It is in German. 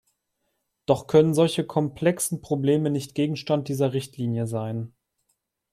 Doch können solche komplexen Probleme nicht Gegenstand dieser Richtlinie sein.